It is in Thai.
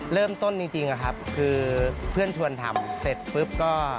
เริ่มต้นจริงอะครับคือเพื่อนชวนทำเสร็จปุ๊บก็